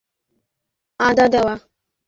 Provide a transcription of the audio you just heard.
চা হবে আদা দেওয়া?